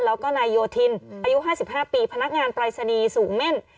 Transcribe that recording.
แล้วก็นายโยธินอายุ๕๕ปีพนักงานปรายศนีย์สูงเม่น